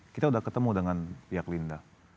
kita sudah ketemu dengan pihak linda